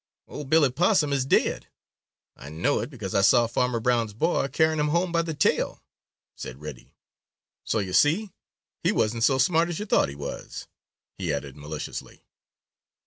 "Old Billy Possum is dead. I know it because I saw Farmer Brown's boy carrying him home by the tail," said Reddy. "So you see he wasn't so smart as you thought he was," he added maliciously.